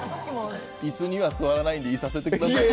椅子には座らないのでいさせてください。